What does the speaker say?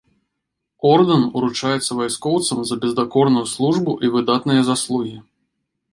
Ордэн уручаецца вайскоўцам за бездакорную службу і выдатныя заслугі.